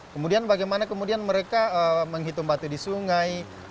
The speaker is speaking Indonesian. kemudian bagaimana kemudian mereka menghitung batu di sungai